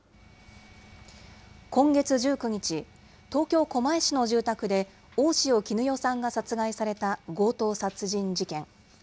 今月１９日、東京・狛江市の住宅で、大塩衣與さんが殺害された強盗殺人事件。